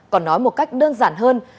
còn nói một cách đơn giản hơn